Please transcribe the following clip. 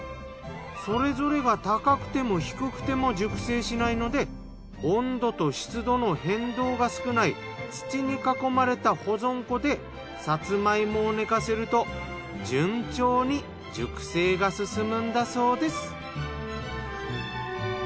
それぞれが高くても低くても熟成しないので温度と湿度の変動が少ない土に囲まれた保存庫でさつま芋を寝かせると順調に熟成が進むんだそうです。